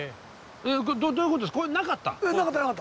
これどういうことですか？